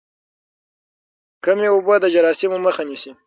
کمې اوبه د جراثیمو مخه نیسي.